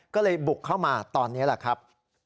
ก็เลยบุกเข้ามาตอนนี้แหละครับ